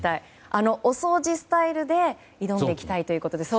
あの、お掃除スタイルで挑んでいきたいということで。